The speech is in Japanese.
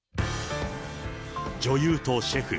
女優とシェフ。